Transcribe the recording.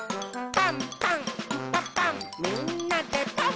「パンパンんパパンみんなでパン！」